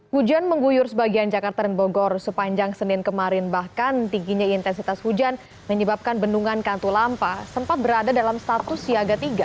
hujan mengguyur sebagian jakarta dan bogor sepanjang senin kemarin bahkan tingginya intensitas hujan menyebabkan bendungan katulampa sempat berada dalam status siaga tiga